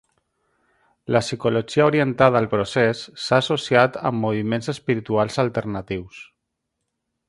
La psicologia orientada al procés, s'ha associat amb moviments espirituals alternatius.